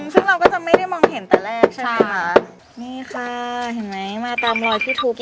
ซึ่งเราก็จะไม่ได้มองเห็นแต่แรกใช่ไหมคะนี่ค่ะเห็นไหมมาตามรอยพี่ทุกข์